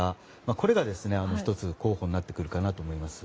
これが１つ候補になってくるかなと思います。